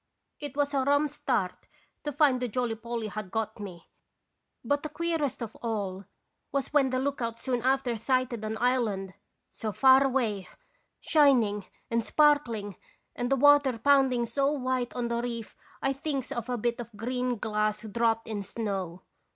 It was a rum start to find the Jolly Polly had got me, but the queer est of all was when the lookout soon after sighted an island, so far away, shining and sparkling, and the water pounding so white on the reef I thinks of a bit of green glass dropped in snow.